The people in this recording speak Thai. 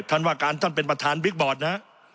ว่าการท่านเป็นประธานบิ๊กบอร์ดนะฮะ